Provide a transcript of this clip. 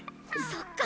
そっか！